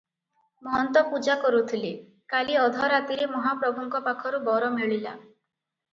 ମହନ୍ତ ପୂଜା କରୁଥିଲେ, କାଲି ଅଧରାତିରେ ମହାପ୍ରଭୁଙ୍କ ପାଖରୁ ବର ମିଳିଲା ।